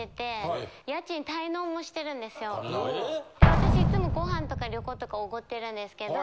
私いつもご飯とか旅行とかおごってるんですけど。